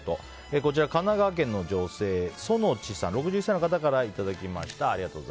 こちら、神奈川の女性６１歳の方からいただきました。